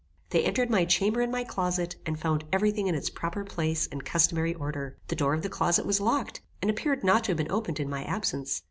They entered my chamber and my closet, and found every thing in its proper place and customary order. The door of the closet was locked, and appeared not to have been opened in my absence.